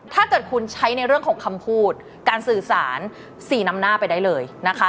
ถ้าเกิดคุณใช้ในเรื่องของคำพูดการสื่อสารสีนำหน้าไปได้เลยนะคะ